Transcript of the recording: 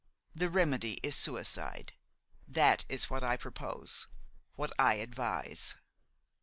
The remedy is suicide; that is what I propose, what I advise."